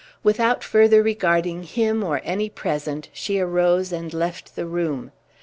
Without further regarding him or any present, she arose and left the room.